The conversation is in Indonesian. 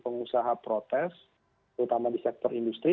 pengusaha protes terutama di sektor industri